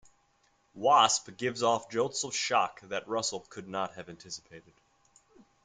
"Wasp" "gives off jolts of shock that Russell could not have anticipated.